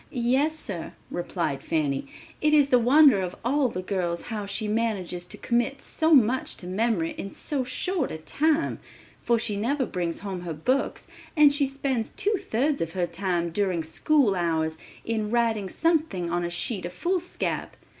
"Yes, sir," replied Fanny. "It is the wonder of all the girls how she manages to commit so much to memory in so short a time, for she never brings home her books and she spends two thirds of her time, during school hours, in writing something on a sheet of foolscap.